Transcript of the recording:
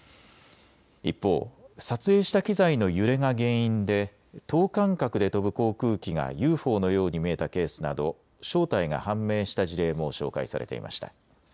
一方、撮影した機材の揺れが原因で等間隔で飛ぶ航空機がＵＦＯのように見えたケースなど正体が判明した事例も紹介されていました。